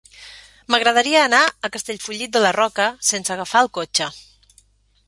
M'agradaria anar a Castellfollit de la Roca sense agafar el cotxe.